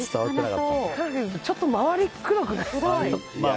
ちょっと回りくどくないですか。